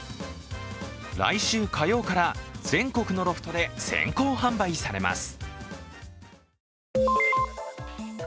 来週火曜から全国のロフトで先行販売されます。